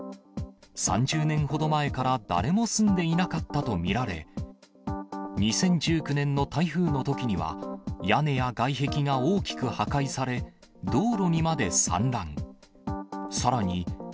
３０年ほど前から誰も住んでいなかったと見られ、２０１９年の台風のときには、屋根や外壁が大きく破壊され、道路にまで散乱。